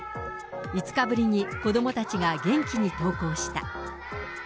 ５日ぶりに子どもたちが元気に登校した。